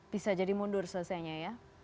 bisa jadi mundur selesainya ya